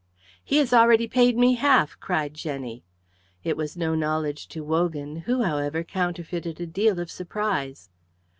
"He has already paid me half," cried Jenny. It was no knowledge to Wogan, who, however, counterfeited a deal of surprise.